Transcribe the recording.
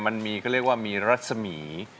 มันมีเขาเรียกว่ามีรัศมี